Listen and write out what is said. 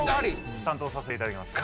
担当させていただきます。